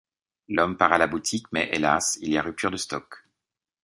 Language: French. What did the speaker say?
L'homme part à la boutique mais, hélas, il y a rupture de stock.